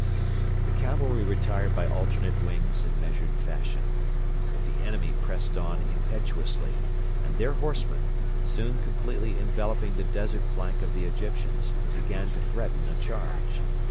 The cavalry retired by alternate wings in measured fashion. But the enemy pressed on impetuously, and their horsemen, soon completely enveloping the desert flank of the Egyptians, began to threaten a charge.